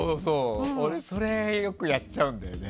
俺、それよくやっちゃうんだよね。